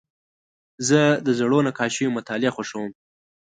زه د زړو نقاشیو مطالعه خوښوم.